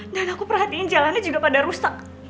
dan aku perhatiin jalannya juga pada rusak